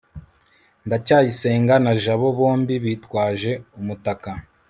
ndacyayisenga na jabo bombi bitwaje umutaka